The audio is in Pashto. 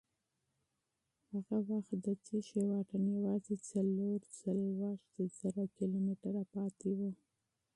هغه وخت د تېږې واټن یوازې څلور څلوېښت زره کیلومتره پاتې و.